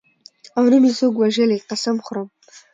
او نه مې څوک وژلي قسم خورم.